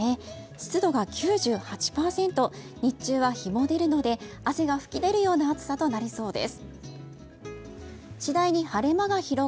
湿度が９８％、日中は日も出るので汗が噴き出るような暑さとなりそうです。